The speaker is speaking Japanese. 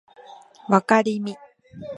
わかりみ